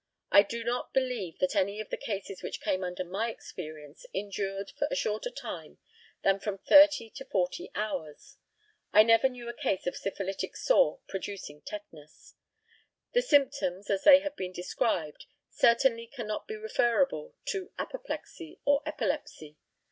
I do not believe that any of the cases which came under my experience endured for a shorter time than from thirty to forty hours. I never knew a case of syphilitic sore producing tetanus. The symptoms, as they have been described, certainly cannot be referable to apoplexy or epilepsy.